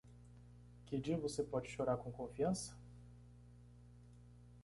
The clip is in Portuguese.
Que dia você pode chorar com confiança?